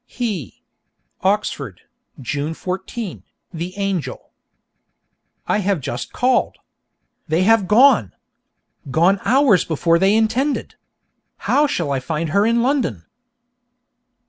He Oxford, June 14, The Angel. I have just called. They have gone! Gone hours before they intended! How shall I find her in London?